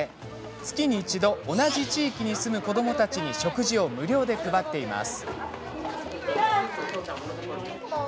月に１度同じ地域に住む子どもたちに食事を無料で配っています。